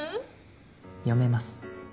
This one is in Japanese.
読めます。